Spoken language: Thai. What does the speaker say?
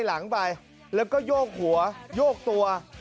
ฮ่า